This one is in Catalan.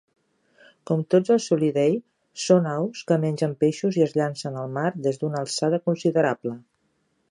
Com tots els Sulidae, són aus que mengen peixos i es llancen al mar des d'una alçada considerable.